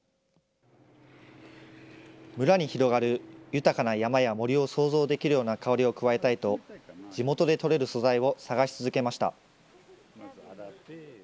村に広がる豊かな山や森を想像できるような香りを加えたいと、地元で採れる素材を探し続けました。